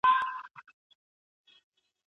د هوټل لوحه په شنه رنګ لیکل شوې وه.